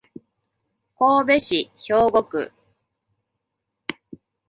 神戸市兵庫区